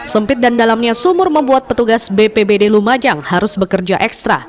sempit dan dalamnya sumur membuat petugas bpbd lumajang harus bekerja ekstra